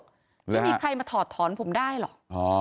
แล้วมีใครมาถอดถอนผมได้หรอ